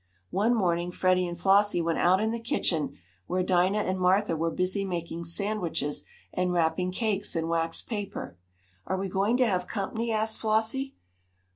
One morning Freddie and Flossie went out in the kitchen where Dinah and Martha were busy making sandwiches and wrapping cakes in waxed paper. "Are we going to have company?" asked Flossie.